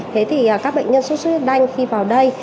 thế thì các bệnh nhân suốt suốt huyết đanh khi vào đây